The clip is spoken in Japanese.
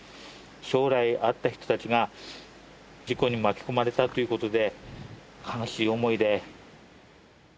将来あった人たちが、事故に巻き込まれたということで、悲しい思いで。